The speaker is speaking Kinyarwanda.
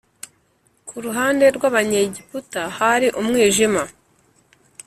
Ku ruhande rw Abanyegiputa hari umwijima